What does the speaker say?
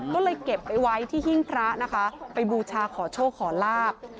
ก็เลยเก็บไว้ที่หิ้งพระนะคะไปบูชาขอโชคขอลาบ